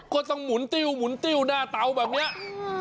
ก็ต้องหมุนติ้วหมุนติ้วหน้าเตาแบบนี้